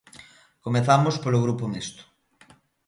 Comezamos polo Grupo Mixto.